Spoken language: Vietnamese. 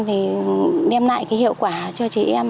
thì đem lại cái hiệu quả cho chị em